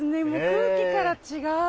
空気から違う。